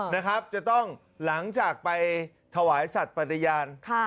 นะครับจะต้องหลังจากไปถวายสัตว์ปฏิญาณ